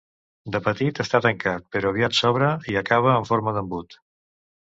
De petit està tancat, però aviat s'obre i acaba en forma d'embut.